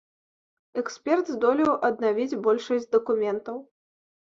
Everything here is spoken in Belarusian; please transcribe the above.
Эксперт здолеў аднавіць большасць дакументаў.